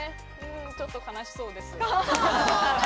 ちょっと悲しそうです。